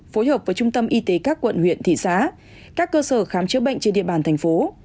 phối hợp với trung tâm y tế các quận huyện thị xã các cơ sở khám chữa bệnh trên địa bàn thành phố